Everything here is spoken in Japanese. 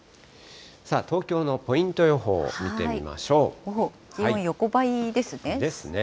さあ、東京のポイント予報を見てみましょう。ですね。